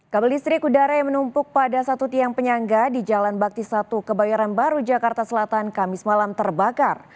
kabel listrik udara yang menumpuk pada satu tiang penyangga di jalan bakti satu kebayoran baru jakarta selatan kamis malam terbakar